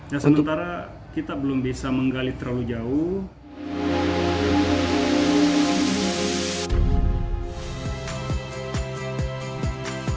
ya sementara kita belum bisa menggali terlalu jauh